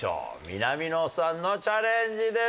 南野さんのチャレンジです。